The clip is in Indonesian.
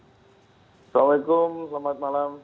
assalamualaikum selamat malam